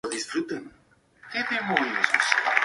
Allí cambió su nombre por el de Isabel.